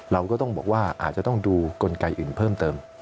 เราก็ต้องบอกว่าอาจจะต้องดูกลไกอื่นเพิ่มเติม